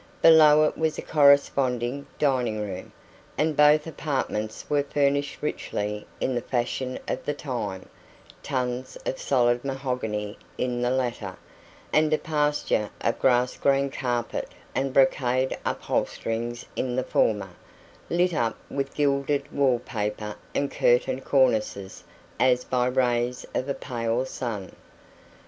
Below it was a corresponding dining room, and both apartments were furnished richly in the fashion of the time tons of solid mahogany in the latter, and a pasture of grass green carpet and brocade upholsterings in the former, lit up with gilded wall paper and curtain cornices as by rays of a pale sun.